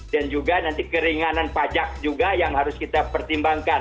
dan juga nanti keringanan pajak juga yang harus kita pertimbangkan